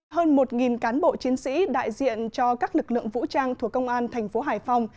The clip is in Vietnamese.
hơn một cán bộ chiến sĩ đại diện cho các lực lượng vũ trang thuộc công an thành phố hải phòng